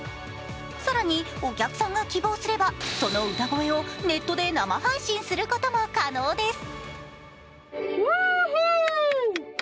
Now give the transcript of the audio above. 更にお客さんが希望すれば、その歌声をネットで生配信することも可能です。